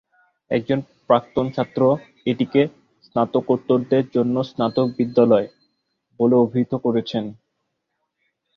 একজন প্রাক্তন ছাত্র এটিকে "স্নাতকোত্তরদের জন্য স্নাতক বিদ্যালয়" বলে অভিহিত করেছেন।